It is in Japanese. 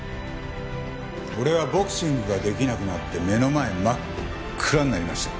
俺はボクシングができなくなって目の前真っ暗になりました。